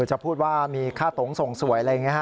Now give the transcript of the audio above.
จะพูดว่ามีค่าตงส่งสวยอะไรอย่างนี้ฮะ